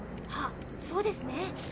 あっそうですね。